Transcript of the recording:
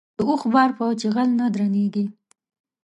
د اوښ بار په چيغل نه درنېږي.